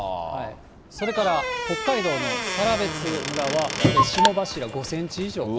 それから北海道の更別村は、霜柱５センチ以上と。